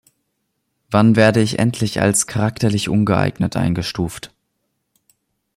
Wann werde ich endlich als charakterlich ungeeignet eingestuft?